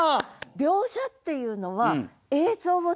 描写っていうのは映像をつくる。